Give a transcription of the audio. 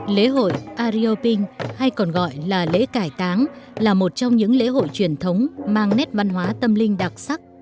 lễ hội arioping hay còn gọi là lễ cải táng là một trong những lễ hội truyền thống mang nét văn hóa tâm linh đặc sắc